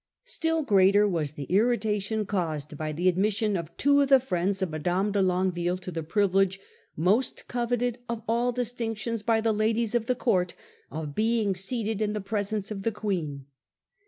Still greater was the irritation caused by the admission of two of the friends of Mme. de Longueville to the privilege, most coveted of all distinctions by the ladies of the court, of being seated Guerre des * n ^ presence of the Queen.